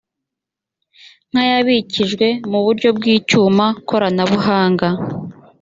nk ayabikijwe mu buryo bw icyuma koranabuhanga